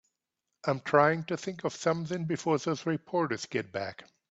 I'm trying to think of something before those reporters get back.